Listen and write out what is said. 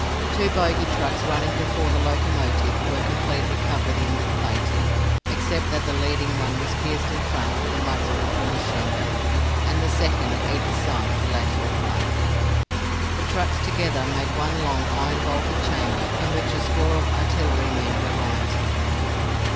Two bogie trucks running before the locomotive were completely covered in with plating, except that the leading one was pierced in front for the muzzle of a machine gun, and the second at either side for lateral fire. The trucks together made one long iron vaulted chamber in which a score of artillerymen were rioting.